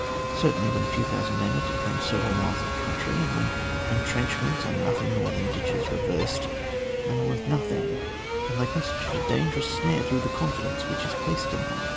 Certainly, when a few thousand men are to defend several miles of country, and when entrenchments are nothing more than ditches reversed, they are worth nothing, and they constitute a dangerous snare through the confidence which is placed in them.